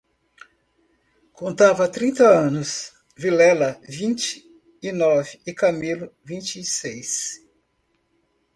Contava trinta anos, Vilela vinte e nove e Camilo vinte e seis.